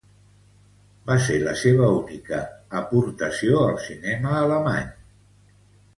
Va ser la seua única aportació al cinema alemany.